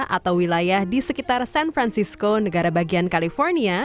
atau wilayah di sekitar san francisco negara bagian california